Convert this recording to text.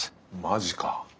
マジか。